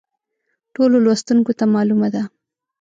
ټولو لوستونکو ته معلومه ده.